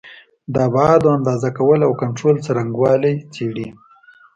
د ابعادو د اندازه کولو او کنټرول څرنګوالي څېړي.